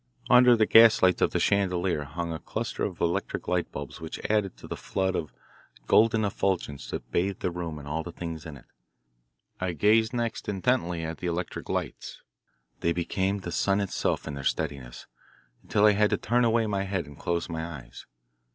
Under the gas lights of the chandelier hung a cluster of electric light bulbs which added to the flood of golden effulgence that bathed the room and all things in it. I gazed next intently at the electric lights. They became the sun itself in their steadiness, until I had to turn away my head and close my eyes.